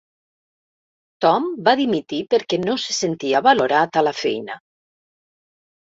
Tom va dimitir perquè no se sentia valorat a la feina.